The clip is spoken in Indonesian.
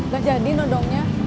gak jadi nondongnya